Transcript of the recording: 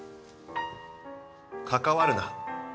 「関わるな」。